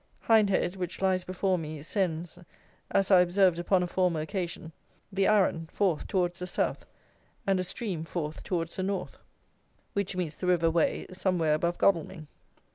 Hindhead which lies before me, sends, as I observed upon a former occasion, the Arun forth towards the south and a stream forth towards the north, which meets the river Wey, somewhere above Godalming.